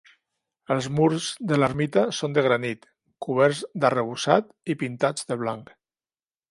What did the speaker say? Els murs de l'ermita són de granit, coberts d'arrebossat i pintats de blanc.